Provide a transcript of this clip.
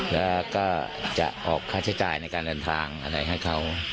แล้วก็จะออกค่าใช้จ่ายในการเดินทางอะไรให้เขา